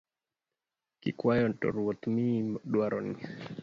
Kikuayo to Ruoth miyi dwaroni